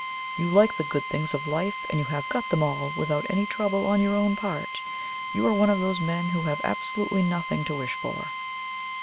"You like the good things of life, and you have got them all without any trouble on your own part. You are one of those men who have absolutely nothing to wish for."